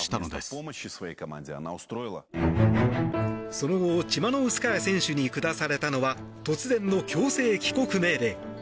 その後、チマノウスカヤ選手に下されたのは突然の強制帰国命令。